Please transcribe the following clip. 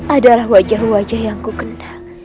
adalah wajah wajah yang kukendang